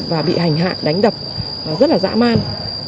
và bị hành hạ đánh đập rất là dã man